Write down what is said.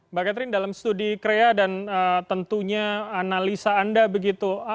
mbak catherine dalam studi krea dan tentunya analisa anda begitu